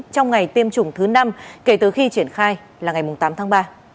trong ngày tiêm chủng thứ năm kể từ khi triển khai là ngày tám tháng ba